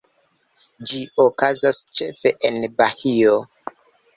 Ĝi okazas ĉefe en Bahio.